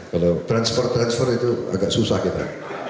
kalau transfer transfer itu agak susah kita